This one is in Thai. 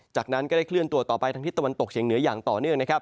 จากนั้นก็ได้เคลื่อนตัวต่อไปทางทิศตะวันตกเฉียงเหนืออย่างต่อเนื่องนะครับ